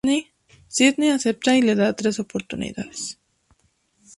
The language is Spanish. Sidney acepta y le da tres oportunidades.